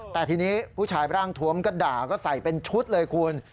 แต่ทีนี้ผู้ชายร่างทวมก็ด่าก็ใส่เป็นชุดเลยคุณ